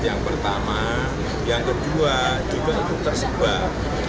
yang pertama yang kedua juga itu tersebar